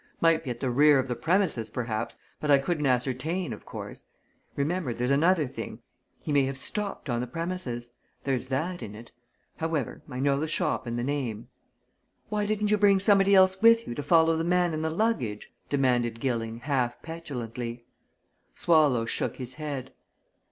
"Might be at the rear of the premises perhaps, but I couldn't ascertain, of course. Remember! there's another thing. He may have stopped on the premises. There's that in it. However, I know the shop and the name." "Why didn't you bring somebody else with you, to follow the man and the luggage?" demanded Gilling, half petulantly. Swallow shook his head.